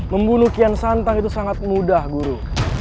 membunuh kian santang itu sangat mudah guru